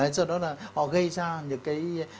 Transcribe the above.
do đó là họ gây ra những cái